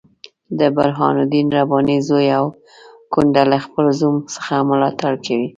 د برهان الدین رباني زوی او کونډه له خپل زوم څخه ملاتړ کوي.